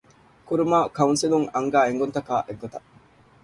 ކުރުމާއި ކައުންސިލުން އަންގާ އެންގުންތަކާއި އެއްގޮތަށް